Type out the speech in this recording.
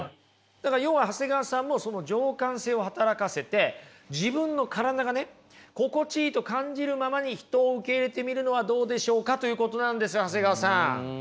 だから要は長谷川さんもその情感性を働かせて自分の体がね心地いいと感じるままに人を受け入れてみるのはどうでしょうかということなんです長谷川さん。